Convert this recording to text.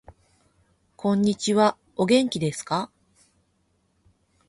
こんにちはお元気ですか